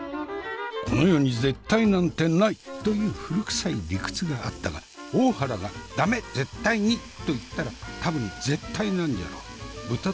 この世に絶対なんてない！という古くさい理屈があったが大原が「駄目絶対に！」と言ったら多分絶対なんじゃろう。